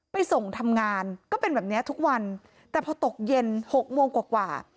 ไปส่งทำงานก็เป็นแบบเนี้ยทุกวันแต่พอตกเย็นหกโมงกว่า